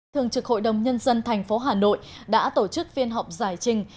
thường trực hội đồng nhân dân thành phố hà nội đã tổ chức phiên họp giải trình